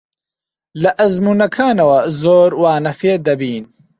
لە ئەزموونەکانەوە زۆر وانە فێر دەبین.